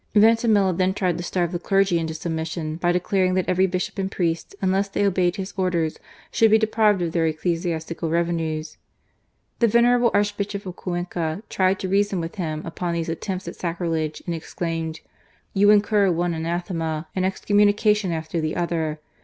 Vintimilla then tried to starve the clergy into submission by declaring that every bishop and priest, v 3M ECUADOR AFTER GARCIA MORENO. unless they obeyed his orders, should be deprived of their ecclesiastical revenues. The venerable Arch bishop of Cuenca tried to reason with him upon these attempts at sacrilege, and exclaimed: '"You incur one anathema and excommunication after the other.